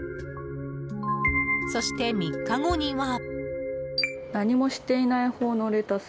そして、３日後には。